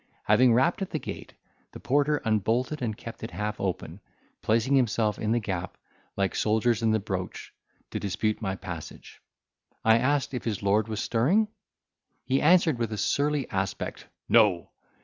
Having rapped at the gate, the porter unbolted and kept it half open, placing himself in the gap, like soldiers in the broach, to dispute my passage. I asked if his lord was stirring? He answered with a surly aspect, "No."